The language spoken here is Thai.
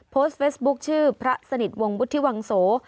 โพสต์เฟซบุ๊คชื่อพระสนิทวงวุฒิวังโส